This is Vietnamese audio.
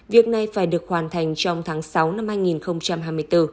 việc này phải được hoàn thành trong tháng sáu năm hai nghìn hai mươi bốn